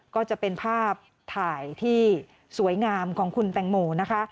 ก็จะเป็นภาพถ่ายที่สวยงามของคุณแตงโมนะคะ